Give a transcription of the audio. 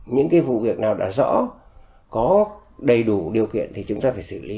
những cái vụ việc nào đã rõ có đầy đủ điều kiện thì chúng ta phải xử lý